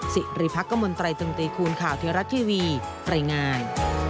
สิริพักรมนตรายตรงตรีคูณข่าวเทียรัตน์ทีวีตรายงาน